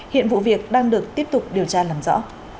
hiện vụ việc đang được tiếp tục điều tra làm rõ